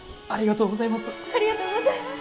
ありがとうございます！